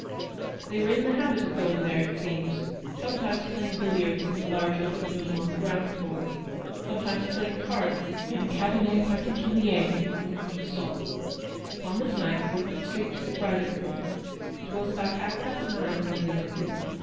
They were in the habit of going there, it seems, sometimes playing billiards in the large GOOD SAMARITANS. 167 open room on the ground floor, sometimes playing cards in a cabinet particuller on the entresol. Upon this night they Trent straight to the private room. It was about half past nine when they went in.